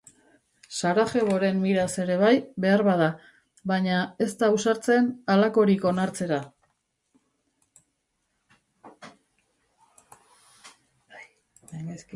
Sarajevoren miraz ere bai, beharbada, baina ez da ausartzen halakorik onartzera.